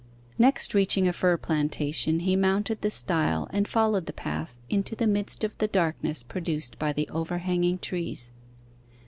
Next reaching a fir plantation, he mounted the stile and followed the path into the midst of the darkness produced by the overhanging trees.